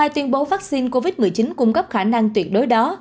hai tuyên bố vaccine covid một mươi chín cung cấp khả năng tuyệt đối đó